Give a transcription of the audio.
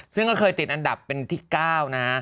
ซึ่งก็เคยติดอันดับเป็นที่๙นะ